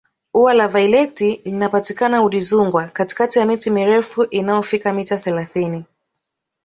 ua la vaileti linapatikana udzungwa katikati ya miti mirefu inayofika mita thelathini